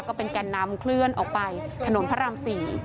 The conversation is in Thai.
ก็เป็นแก่นน้ำเคลื่อนออกไปถนนพระรามสี่